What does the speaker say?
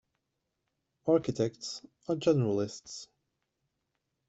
Architects are generalists.